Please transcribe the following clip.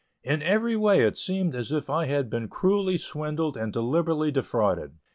In every way it seemed as if I had been cruelly swindled and deliberately defrauded.